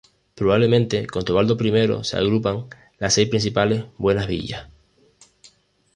Probablemente con Teobaldo I se agruparon las seis principales buenas villas.